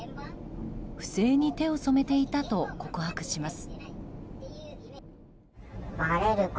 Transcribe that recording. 不正に手を染めていたと告白します。